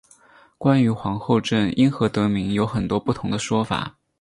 关于皇后镇因何得名有很多不同的说法。